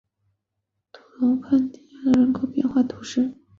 杜龙河畔圣迪迪耶人口变化图示